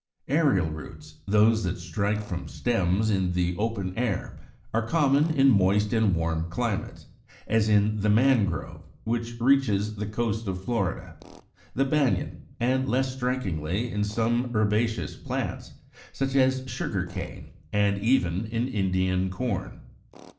Aerial Roots, i. e. those that strike from stems in the open air, are common in moist and warm climates, as in the Mangrove which reaches the coast of Florida, the Banyan, and, less strikingly, in some herbaceous plants, such as Sugar Cane, and even in Indian Corn.